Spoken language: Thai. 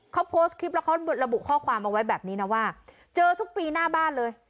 เขาโพสต์คลิปแล้วเขาระบุข้อความเอาไว้แบบนี้นะว่าเจอทุกปีหน้าบ้านเลย